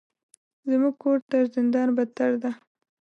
زموږ کور تر زندان بدتر ده.